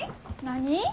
何？